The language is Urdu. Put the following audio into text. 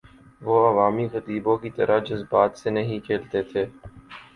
وہ عوامی خطیبوں کی طرح جذبات سے نہیں کھیلتے تھے۔